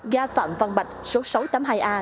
ga phạm văn bạch số sáu trăm tám mươi hai a